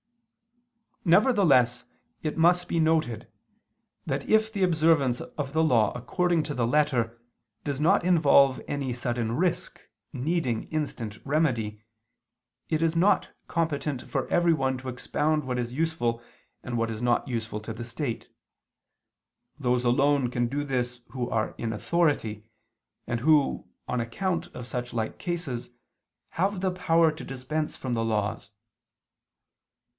Nevertheless it must be noted, that if the observance of the law according to the letter does not involve any sudden risk needing instant remedy, it is not competent for everyone to expound what is useful and what is not useful to the state: those alone can do this who are in authority, and who, on account of such like cases, have the power to dispense from the laws.